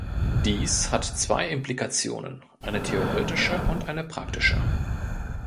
Dies hat zwei Implikationen, eine theoretische und eine praktische.